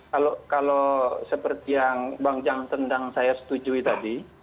kalau seperti yang bang jan tendang saya setujui tadi